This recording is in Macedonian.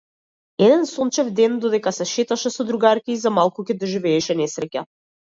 Еден сончев ден, додека се шеташе со другарка ѝ, за малку ќе доживееше несреќа.